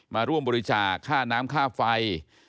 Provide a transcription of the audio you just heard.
มาร่วมบริจาคค่าน้ำค่าไฟ